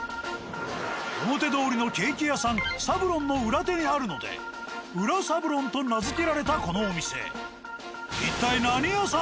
表通りのケーキ屋さん「サブロン」の裏手にあるので「裏サブロン」と名付られたこのお店。